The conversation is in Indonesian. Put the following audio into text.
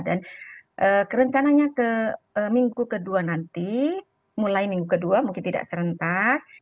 dan rencananya ke minggu kedua nanti mulai minggu kedua mungkin tidak serentak